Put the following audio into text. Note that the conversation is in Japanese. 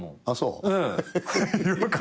あっそう。